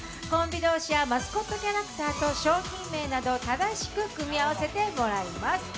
コンビ同士やマスコットキャラクターなど商品名を正しく組み合わせてもらいます。